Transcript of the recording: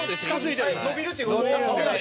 延びるっていう事ですか？